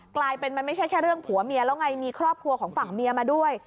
กลายเป็นมันไม่ใช่แค่เรื่องผัวเมียแล้วไงมีครอบครัวของฝั่งเมียมาด้วย